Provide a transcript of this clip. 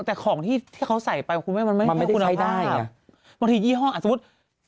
แต่ของที่เขาใส่ไปมันไม่ใช่คุณภาพบางทียี่ห้อสมมติ